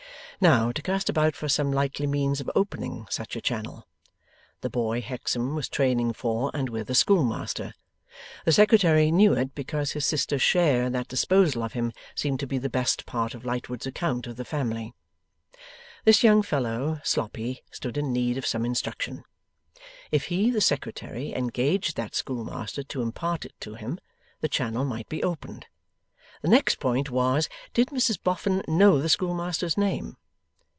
Now, to cast about for some likely means of opening such a channel. The boy, Hexam, was training for and with a schoolmaster. The Secretary knew it, because his sister's share in that disposal of him seemed to be the best part of Lightwood's account of the family. This young fellow, Sloppy, stood in need of some instruction. If he, the Secretary, engaged that schoolmaster to impart it to him, the channel might be opened. The next point was, did Mrs Boffin know the schoolmaster's name?